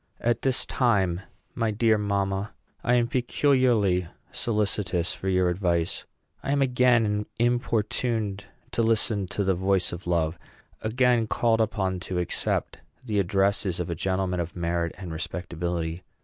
At this time, my dear mamma, I am peculiarly solicitous for your advice. I am again importuned to listen to the voice of love; again called upon to accept the addresses of a gentleman of merit and respectability.